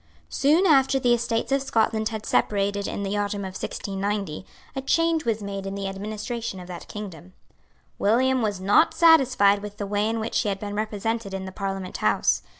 Soon after the Estates of Scotland had separated in the autumn of 1690, a change was made in the administration of that kingdom. William was not satisfied with the way in which he had been represented in the Parliament House.